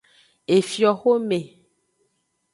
Efioxome.